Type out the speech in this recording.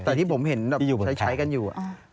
แต่ที่ผมเห็นแบบใช้กันอยู่